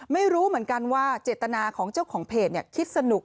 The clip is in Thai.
ไม่รู้เหมือนกันว่าเจตนาของเจ้าของเพจคิดสนุก